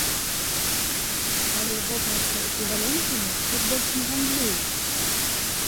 Але вопраткай і валёнкамі тут больш не гандлююць.